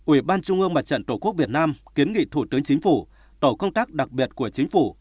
ủy ban trung ương mặt trận tổ quốc việt nam kiến nghị thủ tướng chính phủ tổ công tác đặc biệt của chính phủ